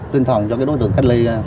tinh thần cho đối tượng cách ly